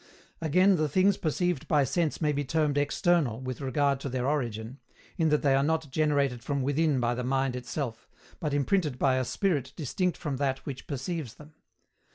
Again, the things perceived by sense may be termed external, with regard to their origin in that they are not generated from within by the mind itself, but imprinted by a Spirit distinct from that which perceives them.